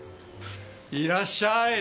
いらっしゃい！